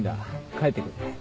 帰ってくれ。